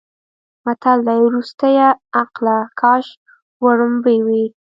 متل دی: ورستیه عقله کاش وړومبی وی.